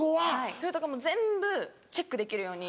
それとかも全部チェックできるように。